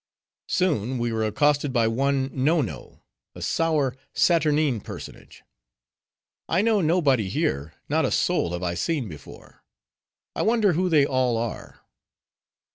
Soon we were accosted by one Nonno, a sour, saturnine personage. "I know nobody here; not a soul have I seen before; I wonder who they all are."